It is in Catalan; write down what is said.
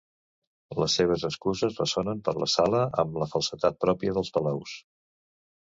Les seves excuses ressonen per la sala amb la falsedat pròpia dels palaus.